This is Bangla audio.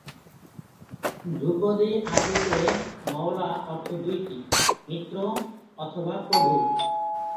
ধ্রুপদী আরবিতে ""মওলা"" অর্থ দুইটি, "মিত্র" অথবা "প্রভু"।